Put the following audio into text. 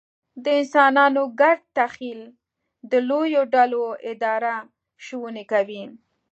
د انسانانو ګډ تخیل د لویو ډلو اداره شونې کوي.